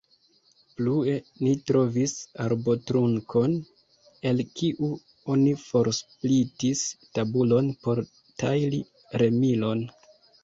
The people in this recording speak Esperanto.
Plue ni trovis arbotrunkon, el kiu oni forsplitis tabulon por tajli remilon.